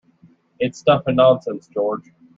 It's stuff and nonsense, George.